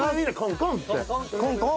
「コンコン」